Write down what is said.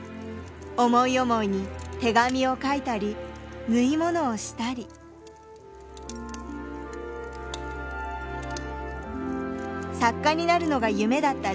思い思いに手紙を書いたり縫い物をしたり作家になるのが夢だった